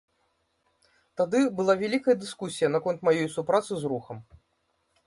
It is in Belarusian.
Тады была вялікая дыскусія наконт маёй супрацы з рухам.